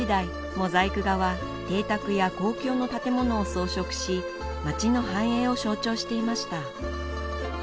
モザイク画は邸宅や公共の建物を装飾し街の繁栄を象徴していました